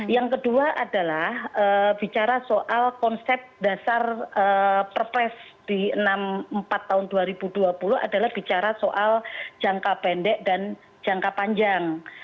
yang kedua adalah bicara soal konsep dasar perpres di empat tahun dua ribu dua puluh adalah bicara soal jangka pendek dan jangka panjang